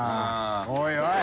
おいおい！